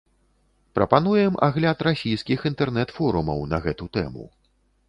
Прапануем агляд расійскіх інтэрнэт-форумаў на гэту тэму.